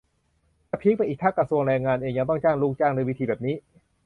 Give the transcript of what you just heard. จะพีคไปอีกถ้ากระทรวงแรงงานเองก็ยังจ้างลูกจ้างด้วยวิธีแบบนี้